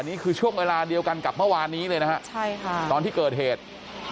นี้กลายให้ช่วงเวลาเดียวกันกับเมื่อวานนี้เลยนะครับตอนที่เกิดเหตุ